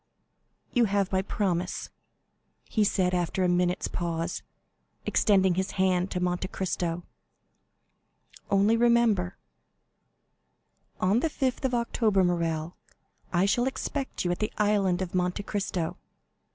"You have my promise," he said, after a minute's pause, extending his hand to Monte Cristo. "Only remember——" "On the 5th of October, Morrel, I shall expect you at the Island of Monte Cristo.